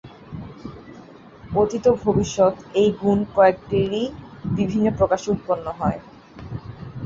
অতীত ও ভবিষ্যৎ এই গুণ কয়েকটিরই বিভিন্ন প্রকাশে উৎপন্ন হয়।